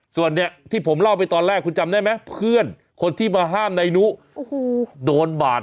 ส่วนเนี่ยที่ผมเล่าไปตอนแรกคุณจำได้ไหมเพื่อนคนที่มาห้ามนายนุโอ้โหโดนบาด